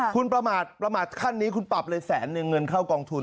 คุณประมาทประมาทขั้นนี้คุณปรับเลยแสนนึงเงินเข้ากองทุน